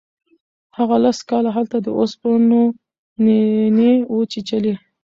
هغه لس کاله هلته د اوسپنو نینې وچیچلې.